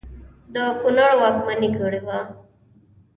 د کنړ واکمني کړې وه.